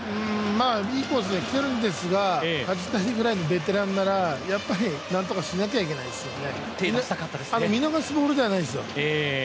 いいコースにきてるんですが、梶谷ぐらいのベテランならやっぱりなんとかしなきゃいけないですよね、見逃しのボールではないですよ